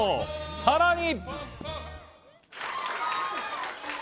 さらに。